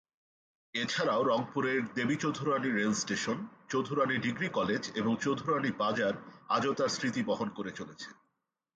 এছাড়াও রংপুরের Debi Choudhurani rail station, Choudhurani degree college এবং চৌধুরানী বাজার আজও তার স্মৃতি বহন করে চলেছে।